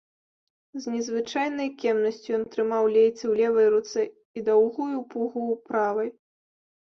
З незвычайнай кемнасцю ён трымаў лейцы ў левай руцэ і даўгую пугу ў правай.